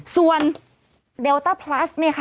ส่วนเดลต้าพลัสเนี่ยค่ะ